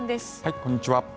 こんにちは。